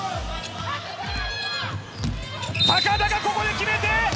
高田がここで決めて。